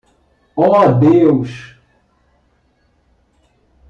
Oh Deus!